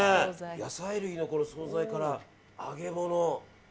野菜類の総菜から揚げ物。